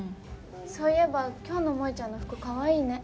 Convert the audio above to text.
そういえば今日の萌ちゃんの服かわいいね。